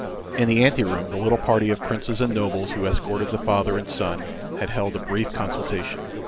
In the anteroom the little party of Princes and nobles who escorted the father and son had held a brief consultation.